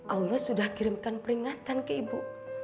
allah sudah kirimkan peringatan ke ibu